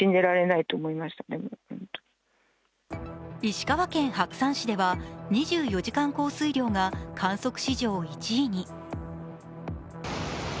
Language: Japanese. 石川県白山市では２４時間降水量が観測史上１位に。